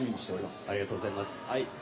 ありがとうございます。